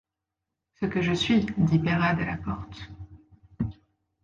Ce que je suis!... dit Peyrade à la porte.